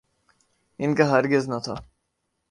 ان کا ہرگز نہ تھا۔